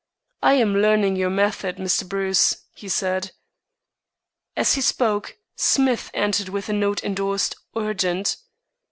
"I am learning your method, Mr. Bruce," he said. As he spoke, Smith entered with a note endorsed "Urgent."